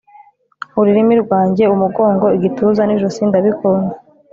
ururimi rwanjye, umugongo, igituza n'ijosi ndabikunda